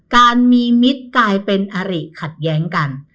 การมีมิตรกลายเป็นอริขัดแย้งกัน